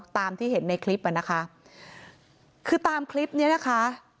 ตามที่เห็นในคลิปอ่ะนะคะคือตามคลิปเนี้ยนะคะ